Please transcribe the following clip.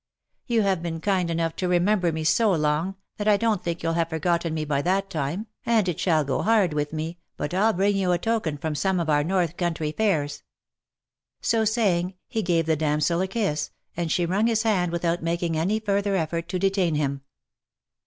You have been kind enough to remember me so long, that I don't think you'll have forgotten me by that time, and it shall go hard with me but I'll bring you a token from some of our north country fairs." So saying, he gave the damsel a kiss, and she wrung his hand without making any further effort to detain him.